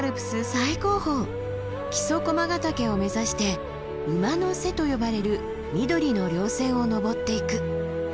最高峰木曽駒ヶ岳を目指して「馬の背」と呼ばれる緑の稜線を登っていく。